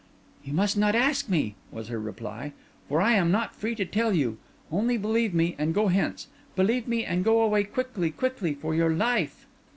"You must not ask me," was her reply, "for I am not free to tell you. Only believe me, and go hence—believe me, and go away quickly, quickly, for your life!"